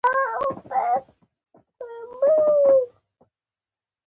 يا َد کونډې بې اسرې آه چې ا يله تر ورۀ رسيږي